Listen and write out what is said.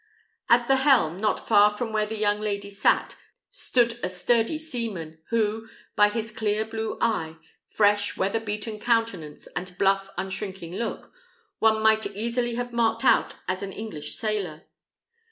At the helm, not far from where the young lady sat, stood a sturdy seaman, who, by his clear blue eye, fresh, weather beaten countenance, and bluff, unshrinking look, one might easily have marked out as an English sailor.